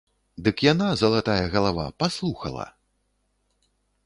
Дык яна, залатая галава, паслухала.